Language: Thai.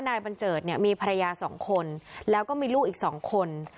นายบัญเจิดเนี่ยมีภรรยาสองคนแล้วก็มีลูกอีกสองคน